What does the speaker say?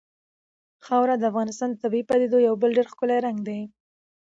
خاوره د افغانستان د طبیعي پدیدو یو بل ډېر ښکلی رنګ دی.